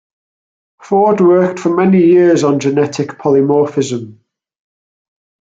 Ford worked for many years on genetic polymorphism.